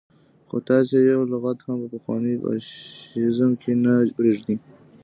خو تاسو يې يو لغت هم په پخواني فاشيزم کې نه پرېږدئ.